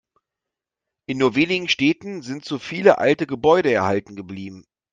In nur wenigen Städten sind so viele alte Gebäude erhalten geblieben.